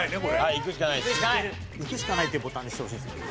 「いくしかない」っていうボタンにしてほしいんですけどね。